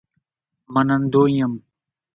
منندوی یم